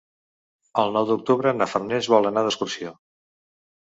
El nou d'octubre na Farners vol anar d'excursió.